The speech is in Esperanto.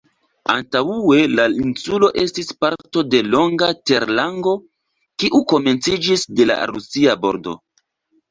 Antaŭe la insulo estis parto de longa terlango, kiu komenciĝis de la Rusia bordo.